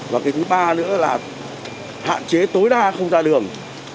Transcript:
và cái thứ ba nữa là hạn chế tối đa không ra đường